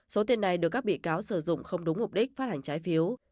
số tiền này được các bị cáo sử dụng không đúng mục đích phát hành trái phiếu